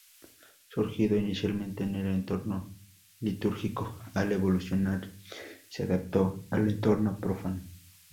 Surgido inicialmente en el entorno litúrgico, al evolucionar se adaptó al entorno profano.